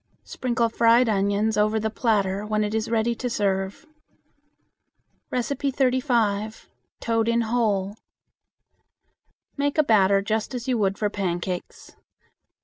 Sprinkle fried onions over the platter when it is ready to serve. 35. Toad in Hole. Make a batter just as you would for pancakes.